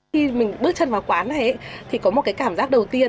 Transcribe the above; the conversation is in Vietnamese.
khi mình bước chân vào quán này thì có một cái cảm giác đầu tiên